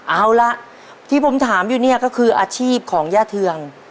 เอาละที่ผมถามอยู่เนี่ยก็คืออาชีพของย่าเทือง